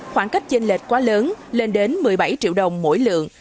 khoảng cách chênh lệch quá lớn lên đến một mươi bảy triệu đồng mỗi lượng